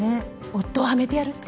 夫をはめてやるって。